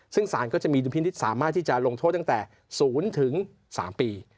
ซึ่งสารก็จะมีดุลพินิษฐ์สามารถที่จะลงโทษตั้งแต่๐๓ปี